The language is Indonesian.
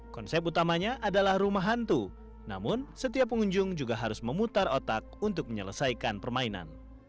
konsep utamanya adalah rumah hantu namun setiap pengunjung juga harus memutar otak untuk menyelesaikan permainan